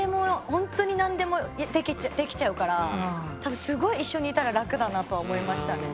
本当になんでもできちゃうから多分すごい一緒にいたら楽だなとは思いましたね。